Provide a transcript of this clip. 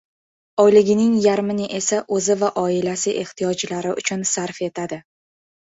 Oyligining yarmini esa o'zi va oilasi ehtiyojlari uchun sarf etadi.